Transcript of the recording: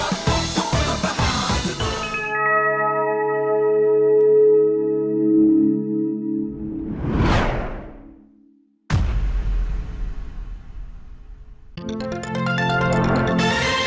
รถมหาสนุก